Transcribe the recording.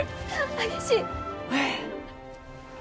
激しい！え。